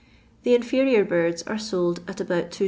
The inferior birds' are sold at about 2s.